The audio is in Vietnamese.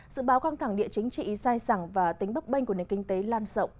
dự báo căng thẳng địa chính trị sai sẳng và tính bấp bênh của nền kinh tế lan rộng